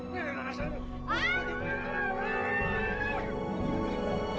nih asal lu